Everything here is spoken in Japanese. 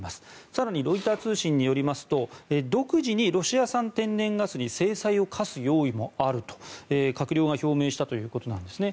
更にロイター通信によりますと独自にロシア産天然ガスに制裁を科す用意があると閣僚が表明したということなんですね。